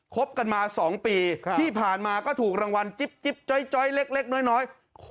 บกันมา๒ปีที่ผ่านมาก็ถูกรางวัลจิ๊บจ้อยเล็กน้อย